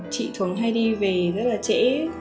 chị thường hay đi về rất là trễ